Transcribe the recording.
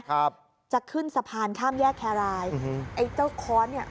ครับจะขึ้นสะพานท่ามแยกแครายมฮืมไอเจ้าเนี้ย